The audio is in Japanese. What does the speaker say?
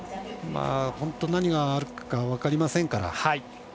本当、何があるか分かりませんから。